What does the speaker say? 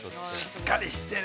◆しっかりしている。